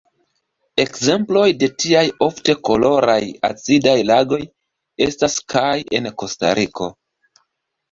Ekzemploj de tiaj ofte koloraj acidaj lagoj estas kaj en Kostariko.